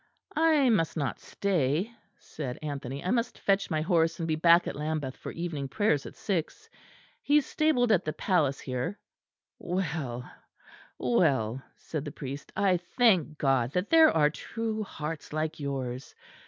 "I must not stay," said Anthony, "I must fetch my horse and be back at Lambeth for evening prayers at six. He is stabled at the Palace here." "Well, well," said the priest, "I thank God that there are true hearts like yours.